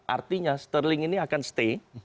artinya sterling ini akan stay